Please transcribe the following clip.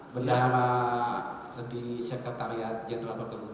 pendahara di sekretariat jenderal perkebunan